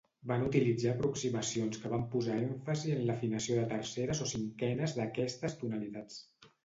Van utilitzar aproximacions que van posar èmfasi en l'afinació de terceres o cinquenes d'aquestes tonalitats.